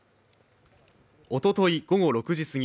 おととい午後６時すぎ